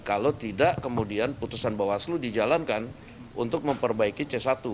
kalau tidak kemudian putusan bawaslu dijalankan untuk memperbaiki c satu